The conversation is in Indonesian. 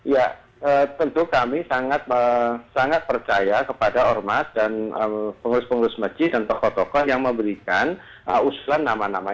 ya tentu kami sangat percaya kepada ormas dan pengurus pengurus masjid dan tokoh tokoh yang memberikan usulan nama nama